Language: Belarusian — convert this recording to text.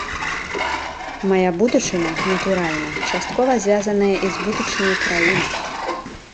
Мая будучыня, натуральна, часткова звязаная і з будучыняй краіны.